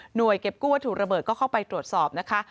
เก็บกู้วัตถุระเบิดก็เข้าไปตรวจสอบนะคะ